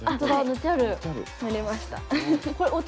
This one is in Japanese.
塗りました。